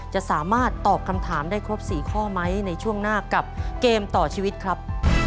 จะสามารถตอบคำถามได้ครบ๔ข้อไหมในช่วงหน้ากับเกมต่อชีวิตครับ